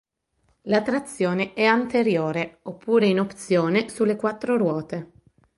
La trazione è anteriore oppure in opzione sulle quattro ruote.